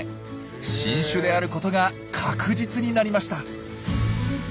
新種であることが確実になりました。